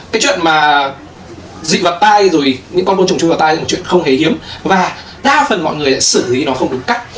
cái chuyện mà dị vật tai rồi những con côn trùng chui vào tai là một chuyện không hề hiếm và đa phần mọi người sẽ xử lý nó không đúng cách